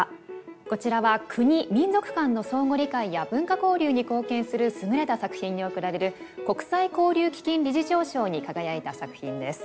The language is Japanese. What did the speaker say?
こちらは国民族間の相互理解や文化交流に貢献する優れた作品に贈られる国際交流基金理事長賞に輝いた作品です。